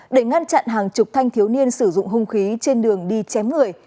để ngăn chặn hàng chục thanh thiếu niên sử dụng hung khí trên đường đi chém người